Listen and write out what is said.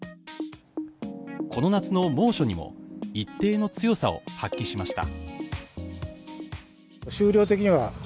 この夏の猛暑にも一定の強さを発揮しました。